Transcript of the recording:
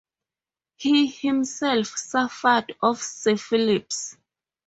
He himself suffered of syphilis.